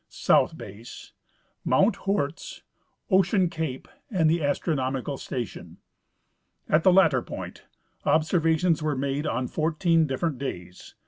South base, mount Hoorts, Ocean cape, and the astronomical station. At the latter point observations Avere made on fourteen different days.